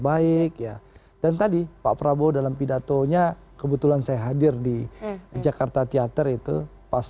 baik ya dan tadi pak prabowo dalam pidatonya kebetulan saya hadir di jakarta teater itu pas